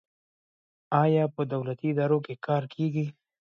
آیا په دولتي ادارو کې کار کیږي؟